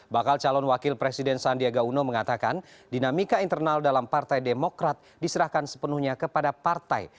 bakal calon wakil presiden sandiaga uno mengatakan dinamika internal dalam partai demokrat diserahkan sepenuhnya kepada partai